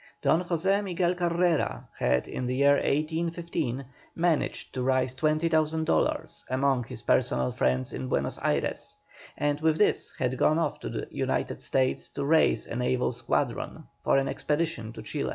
Don José Miguel Carrera had in the year 1815 managed to raise 20,000 dollars among his personal friends in Buenos Ayres, and with this, had gone off to the United States to raise a naval squadron for an expedition to Chile.